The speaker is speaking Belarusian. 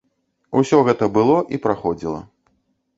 Усё гэта было і праходзіла.